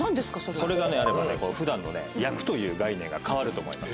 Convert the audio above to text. これがあれば普段の焼くという概念が変わると思います。